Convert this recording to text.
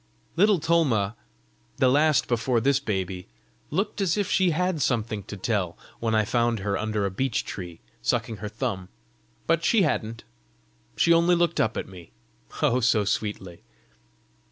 "Little Tolma, the last before this baby, looked as if she had something to tell, when I found her under a beech tree, sucking her thumb, but she hadn't. She only looked up at me oh, so sweetly!